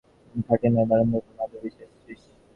না, খাটে নয়, বারান্দার উপর মাদুর বিছিয়ে– শ্রীশ।